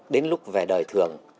đến lúc về đời thường